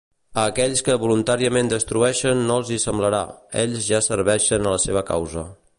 A aquells que voluntàriament destrueixen no els hi semblarà, ells ja serveixen a la seva causa.